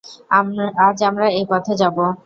আজ আমরা এই পথে যাব।